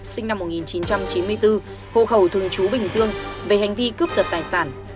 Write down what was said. sinh năm một nghìn chín trăm chín mươi bốn hộ khẩu thường trú bình dương về hành vi cướp giật tài sản